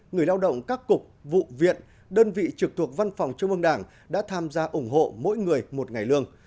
người lao động các cục vụ viện đơn vị trực thuộc văn phòng trung ương đảng đã tham gia ủng hộ mỗi người một ngày lương